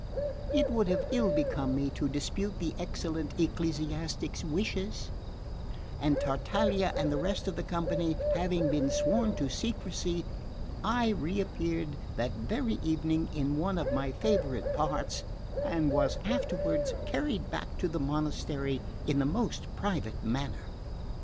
It would have ill become me to dispute the excellent ecclesiastic's wishes, and Tartaglia and the rest of the company having been sworn to secrecy, I reappeared that very evening in one of my favourite parts, and was afterward carried back to the monastery in the most private manner.